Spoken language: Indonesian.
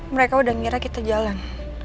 mereka udah ngira kita jalan